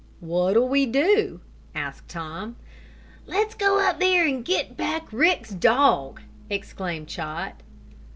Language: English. "What'll we do?" asked Tom. "Let's go up there and get back Rick's dog!" exclaimed Chot.